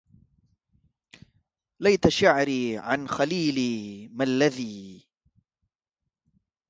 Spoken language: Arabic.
ليت شعري عن خليلي ما الذي